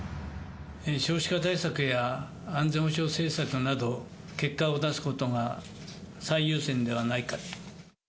少子化対策や安全保障政策など、結果を出すことが最優先ではないか。